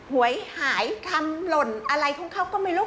หวยหายคำหล่นอะไรของเขาก็ไม่รู้